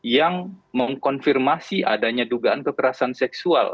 yang mengkonfirmasi adanya dugaan kekerasan seksual